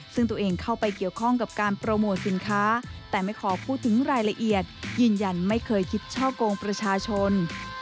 ซึ่งตัวเองเข้าไปเกี่ยวข้องกับการโปรโมทสินค้าแต่ไม่ขอพูดถึงรายละเอียดยืนยันไม่เคยคิดช่อกงประชาชน